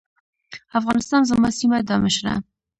افغانستان زما سيمه ده مشره.